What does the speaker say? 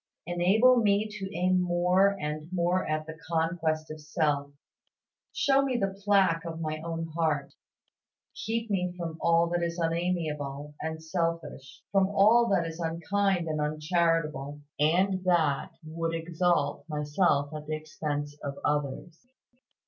Enable me to aim more and more at the conquest of self. Show me the plague of my own heart. Keep me from all that is unamiable and selfish, from all that is unkind and uncharitable, and that would exalt myself at the expense of others.